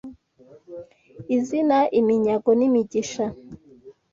Izina iminyago n’imigisha